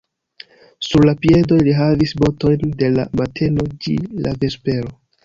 Sur la piedoj li havis botojn de la mateno ĝi la vespero.